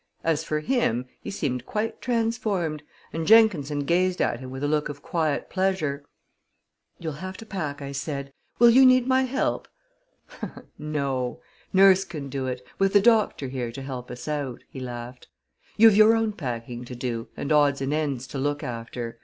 As for him, he seemed quite transformed, and Jenkinson gazed at him with a look of quiet pleasure. "You'll have to pack," I said. "Will you need my help?" "No; nurse can do it, with the doctor here to help us out," he laughed. "You've your own packing to do, and odds and ends to look after.